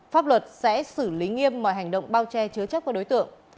pháp luật sẽ xử lý nghiêm mọi hành động bao che chứa chấp của đối tượng